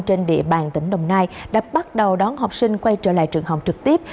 trên địa bàn tỉnh đồng nai đã bắt đầu đón học sinh quay trở lại trường học trực tiếp